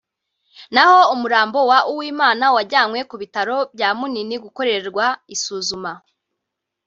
naho umurambo wa Uwimana wajyanwe ku bitaro bya Munini gukorerwa isuzuma”